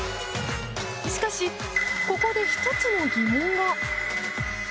しかし、ここで１つの疑問が。